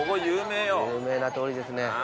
有名な通りですね。